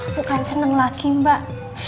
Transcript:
bukan seneng lagi mbak